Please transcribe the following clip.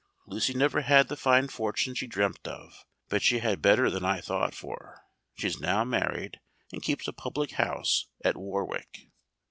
Lucy never had the fine fortune she dreamt of; but she had better than I thought for; she is now married, and keeps a public house at Warwick."